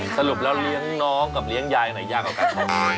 สรุปแล้วเลี้ยงน้องกับเลี้ยงยายยากกว่ากัน